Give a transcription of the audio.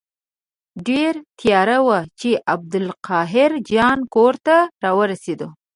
ډېره تیاره وه چې عبدالقاهر جان کور ته ورسېدو.